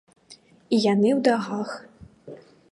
І яны ў даўгах.